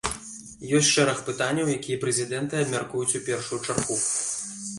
Ёсць шэраг пытанняў, якія прэзідэнты абмяркуюць у першую чаргу.